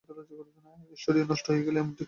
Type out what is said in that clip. Studio নষ্ট হয়ে গেল, এমনকি ফিল্মও বন্ধ হয়ে গেল।